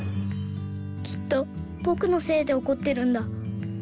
きっとぼくのせいでおこってるんだ。